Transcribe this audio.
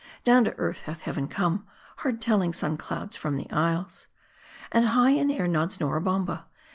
Down to earth hath heaven come ; hard telling sun clouds from the isles. And high in air nods Nora Bamma.